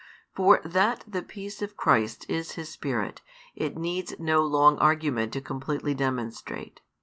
For that the peace of Christ is His Spirit, it needs no long argument to completely demonstrate.